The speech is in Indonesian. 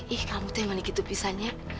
ih kamu t malik itu pisahnya